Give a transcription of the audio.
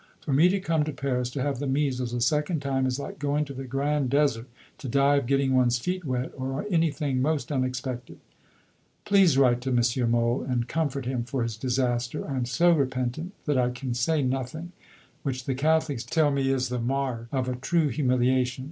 For me to come to Paris to have the measles a second time, is like going to the Grand Desert to die of getting one's feet wet, or anything most unexpected.... Please write to M. Mohl, and comfort him for his disaster. I am so repentant that I can say nothing which, the Catholics tell me, is the "marque" of a true "humiliation."